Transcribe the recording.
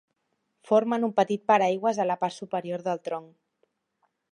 Formen un petit "paraigües" a la part superior del tronc.